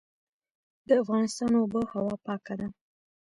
د افغانستان اوبه هوا پاکه ده